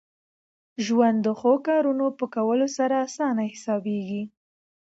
ژوند د ښو کارونو په کولو سره اسانه حسابېږي.